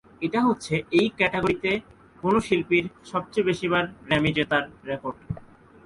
এটা হচ্ছে এই ক্যাটাগরিতে কোনো শিল্পীর সবচেয়ে বেশিবার গ্র্যামি জেতার রেকর্ড।